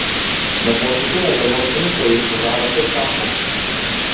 Ме потсети на девојка ми која изговараше какоф.